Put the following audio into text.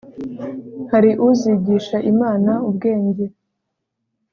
hari uzigisha imana ubwenge,